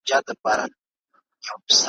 شیخه تا چي به په حق تکفیرولو ,